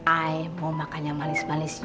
aku mau makan yang manis manis